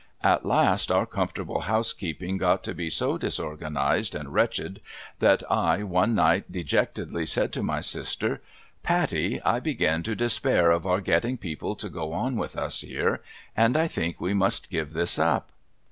At last, our comfortable housekeeping got to be so disorganised and wretched, that I one night dejectedly said to my sister :' Patty, I begin to despair of our getting people to go on with us here, and I think we must give this up.'